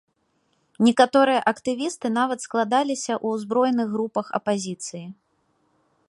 Некаторыя актывісты нават складаліся ў узброеных групах апазіцыі.